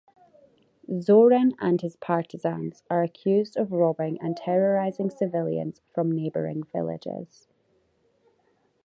Zorin and his partisans are accused of robbing and terrorising civilians from neighbouring villages.